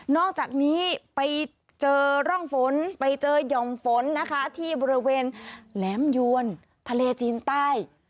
อกจากนี้ไปเจอร่องฝนไปเจอห่อมฝนนะคะที่บริเวณแหลมยวนทะเลจีนใต้